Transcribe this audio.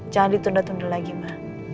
jangan ditunda tunda lagi mbak